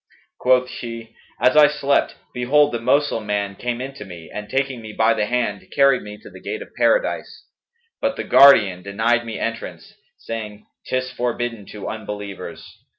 Quoth she, 'As I slept, behold the Moslem man came in to me and taking me by the hand, carried me to the gate of Paradise; but the Guardian denied me entrance, saying, 'Tis forbidden to unbelievers.'